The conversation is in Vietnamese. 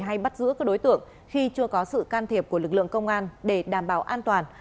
hay bắt giữ các đối tượng khi chưa có sự can thiệp của lực lượng công an để đảm bảo an toàn